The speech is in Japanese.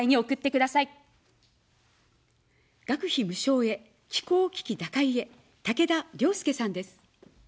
学費無償へ、気候危機打開へ、たけだ良介さんです。